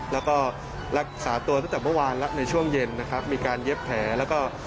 แล้วก็รักษาตัวตั้งแต่เมื่อวานแล้วช่วงเย็นมีการเย็บแผล